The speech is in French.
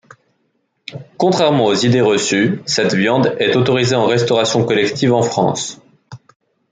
Contrairement à des idées reçues, cette viande est autorisée en restauration collective en France.